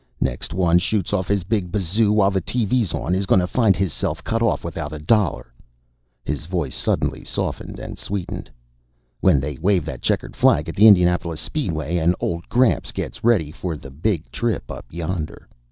"Next one shoots off his big bazoo while the TV's on is gonna find hisself cut off without a dollar " his voice suddenly softened and sweetened "when they wave that checkered flag at the Indianapolis Speedway, and old Gramps gets ready for the Big Trip Up Yonder."